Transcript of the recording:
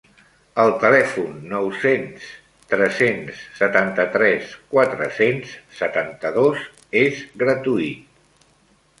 El telèfon nou-cents tres-cents setanta-tres quatre-cents setanta-dos és gratuït.